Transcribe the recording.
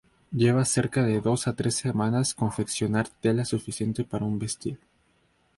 Lleva cerca de dos a tres semanas confeccionar tela suficiente para un vestido.